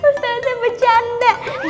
gang ustazah bercanda